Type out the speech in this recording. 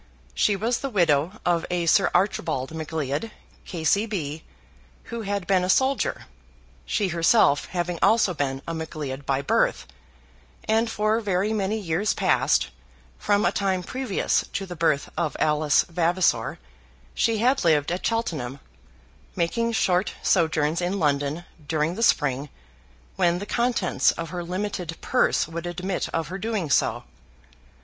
She was the widow of a Sir Archibald Macleod, K.C.B., who had been a soldier, she herself having also been a Macleod by birth; and for very many years past from a time previous to the birth of Alice Vavasor she had lived at Cheltenham, making short sojourns in London during the spring, when the contents of her limited purse would admit of her doing so.